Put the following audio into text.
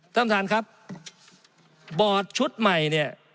ท่านพลเอกอนุพงศ์ครับบอดชุดใหม่เนี่ย